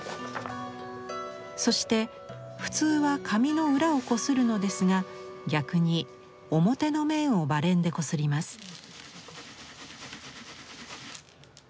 そして普通は紙の裏をこするのですが逆に表の面をバレンでこすります。